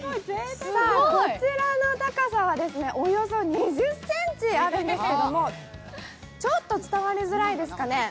こちらの高さは、およそ２０ｃｍあるんですけれども、ちょっと伝わりづらいですかね。